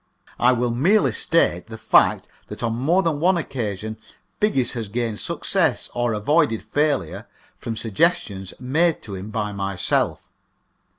I will merely state the fact that on more than one occasion Figgis has gained success or avoided failure from suggestions made to him by myself.